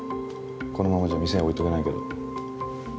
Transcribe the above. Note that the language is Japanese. このままじゃ店に置いとけないけど。